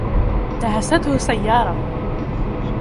دهسته سيارة.